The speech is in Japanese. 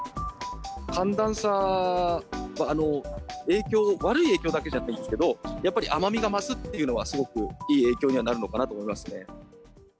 寒暖差は影響、悪い影響だけじゃないと思うんですけど、やっぱり甘みが増すっていうのは、すごくいい影響にはなるのかなと思いますね。